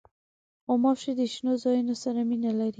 غوماشې د شنو ځایونو سره مینه لري.